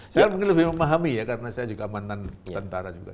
saya mungkin lebih memahami ya karena saya juga mantan tentara juga